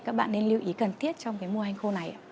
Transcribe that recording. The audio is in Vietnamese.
các bạn nên lưu ý cần thiết trong mùa hanh khô này